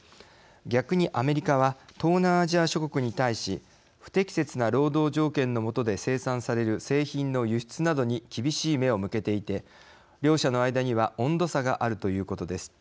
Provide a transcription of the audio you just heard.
逆にアメリカは東南アジア諸国に対し不適切な労働条件の下で生産される製品の輸出などに厳しい目を向けていて両者の間には温度差があるということです。